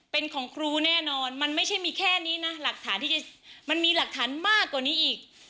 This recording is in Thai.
เป็นของครูแน่นอนมันไม่ใช่มีแค่นี้นะหลักฐานที่จะมันมีหลักฐานมากกว่านี้อีก